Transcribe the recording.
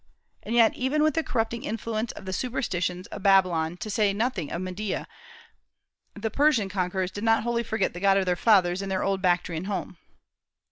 And yet even with the corrupting influence of the superstitions of Babylon, to say nothing of Media, the Persian conquerors did not wholly forget the God of their fathers in their old Bactrian home.